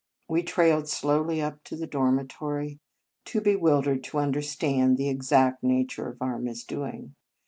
We trailed slowly up to the dormitory, too bewildered to understand the exact nature of our misdoing.